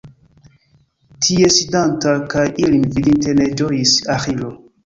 Tie sidanta, kaj ilin vidinte ne ĝojis Aĥilo.